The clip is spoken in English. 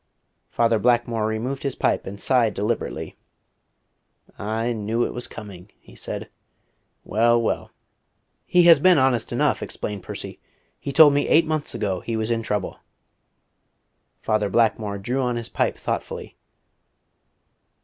Father Blackmore removed his pipe and sighed deliberately. "I knew it was coming," he said. "Well, well." "He has been honest enough," explained Percy. "He told me eight months ago he was in trouble." Father Blackmore drew upon his pipe thoughtfully.